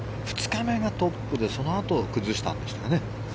２日目がトップでそのあと崩したんですね。